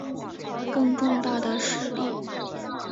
更壮大的实力